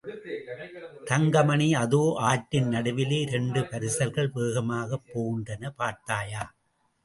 தங்கமணி, அதோ, ஆற்றின் நடுவிலே இரண்டு பரிசல்கள் வேகமாகப் போகின்றன, பார்த்தாயா?